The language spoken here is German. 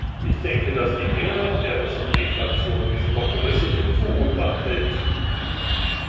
Ich denke, dass die Mehrheit der S&D-Fraktion diese Kompromisse für zumutbar hält.